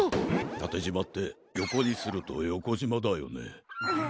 たてじまってよこにするとよこじまだよね。